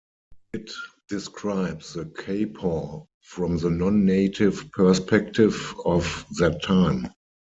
It describes the Quapaw from the non-native perspective of that time.